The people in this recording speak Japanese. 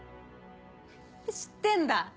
知ってんだ！